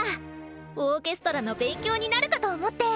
オーケストラの勉強になるかと思って。